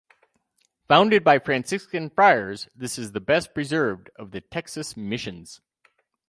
Founded by Franciscan friars, this is the best preserved of the Texas missions.